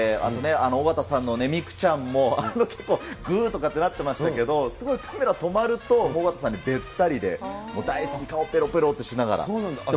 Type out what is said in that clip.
尾形さんの三九ちゃんも、結構、ぐーとかってなってましたけど、すごいカメラ止まると、尾形さんにべったりで、もう大好き、そうなんだ。